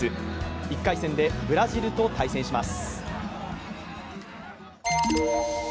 １回戦でブラジルと対戦します。